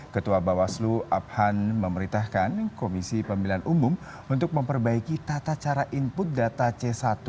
ketua bawaslu abhan memerintahkan komisi pemilihan umum untuk memperbaiki tata cara input data c satu